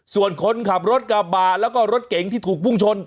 ส่วนคนขับรถกระบะแล้วก็รถเก๋งที่ถูกพุ่งชน